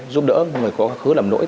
giúp đỡ người có quá khứ lầm lỗi